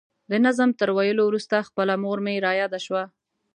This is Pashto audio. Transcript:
د نظم تر ویلو وروسته خپله مور مې را یاده شوه.